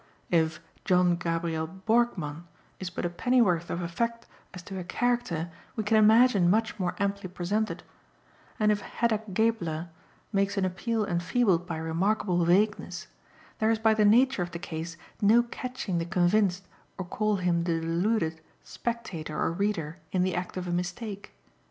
If "John Gabriel Borkmann" is but a pennyworth of effect as to a character we can imagine much more amply presented, and if "Hedda Gabler" makes an appeal enfeebled by remarkable vagueness, there is by the nature of the case no catching the convinced, or call him the deluded, spectator or reader in the act of a mistake.